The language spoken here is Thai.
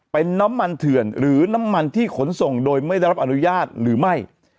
เป็นน้ำมันเถื่อนหรือน้ำมันที่ขนส่งโดยไม่ได้รับอนุญาตหรือไม่